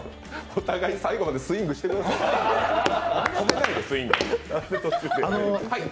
お互い最後までスイングしてください。